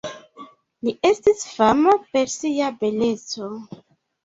Li estis fama per sia beleco.